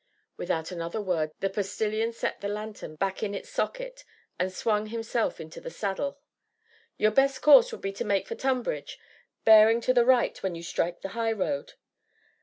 Without another word the Postilion set the lanthorn back in its socket, and swung himself into the saddle. "Your best course would be to make for Tonbridge, bearing to the right when you strike the high road."